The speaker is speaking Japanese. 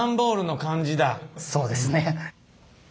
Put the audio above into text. そうですね。